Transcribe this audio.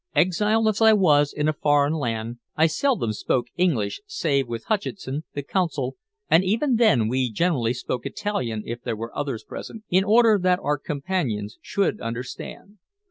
Exiled as I was in a foreign land, I seldom spoke English save with Hutcheson, the Consul, and even then we generally spoke Italian if there were others present, in order that our companions should understand.